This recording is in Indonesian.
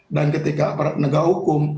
dan ketika menegak hukum